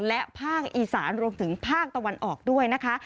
และภาคอีสานรวมถึงภาคตะวันออกด้วยนะคะ